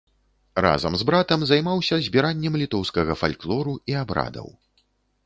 Разам з братам займаўся збіраннем літоўскага фальклору і абрадаў.